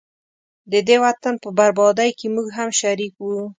ددې وطن په بربادۍ کي موږه هم شریک وو